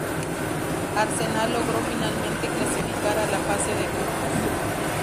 Arsenal logró finalmente clasificar a la fase de grupos.